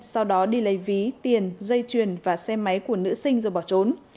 sau đó đi lấy ví tiền dây chuyền và xe máy của nữ sinh rồi bỏ trốn